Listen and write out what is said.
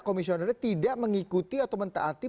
komisionernya tidak mengikuti atau mentaati